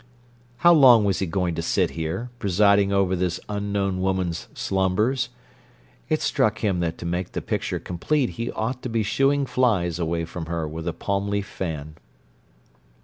How long was he going to sit here presiding over this unknown woman's slumbers? It struck him that to make the picture complete he ought to be shooing flies away from her with a palm leaf fan.